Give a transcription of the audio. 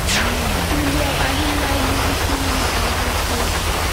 Atu lioah hin Laimi hi sing li hrawng kan si.